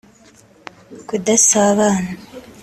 kudasabana